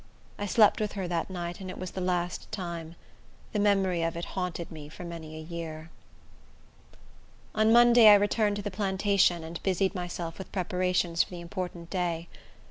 I slept with her that night, and it was the last time. The memory of it haunted me for many a year. On Monday I returned to the plantation, and busied myself with preparations for the important day.